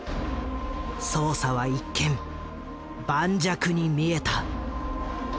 捜査は一見盤石に見えた。